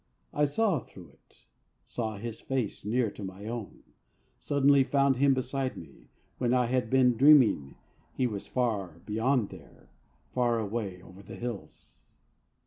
I saw through it; saw his face near to my own; suddenly found him beside me, when I had been dreaming he was far beyond there, far away over the hills.